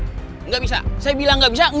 hebat banget ya bisa bukain gak